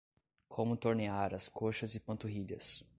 Como tornear as coxas e panturrilhas